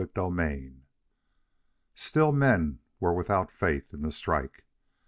CHAPTER X Still men were without faith in the strike.